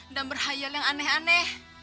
berhayal yang aneh aneh